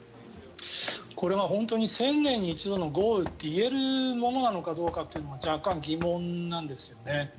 これは本当に１０００年に一度の豪雨と言えるものなのかどうか若干疑問なんですよね。